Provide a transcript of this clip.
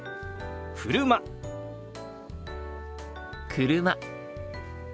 車。